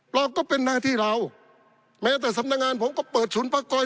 เราก็เป็นหน้าที่เราแม้แต่สำนักงานผมก็เปิดศูนย์พักคอย